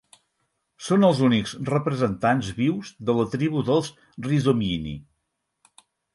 Són els únics representants vius de la tribu dels Rhizomyini.